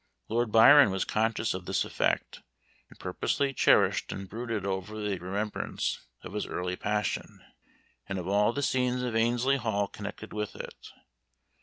Lord Byron was conscious of this effect, and purposely cherished and brooded over the remembrance of his early passion, and of all the scenes of Annesley Hall connected with it.